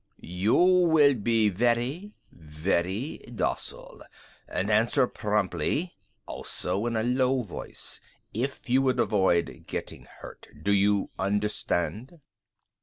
You will be very, very docile, and answer promptly, also in a low voice, if you would avoid getting hurt. Do you understand?"